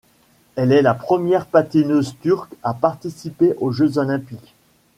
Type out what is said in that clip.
Elle est la première patineuse turque à participer aux Jeux olympiques.